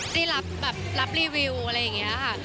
ได้รับรีวิวอะไรอย่างนี้ค่ะค่ะ